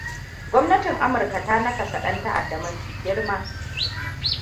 Gwamnatin Amurka ta nakasa dan ta'adda mafi girma.